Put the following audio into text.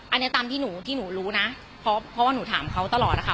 อันนี้ตามที่หนูที่หนูรู้นะเพราะว่าหนูถามเขาตลอดนะคะ